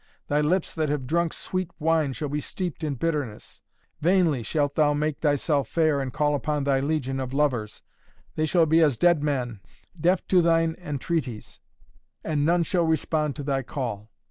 Thy lips that have drunk sweet wine shall be steeped in bitterness! Vainly shalt thou make thyself fair and call upon thy legion of lovers. They shall be as dead men, deaf to thine entreaties, and none shall respond to thy call!